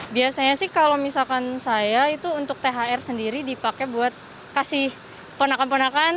biasanya sih kalau misalkan saya itu untuk thr sendiri dipakai buat kasih ponakan ponakan